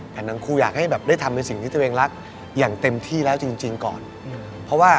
แผ่นน้องครูอยากให้ได้ทำเป็นสิ่งที่ตัวเองรัก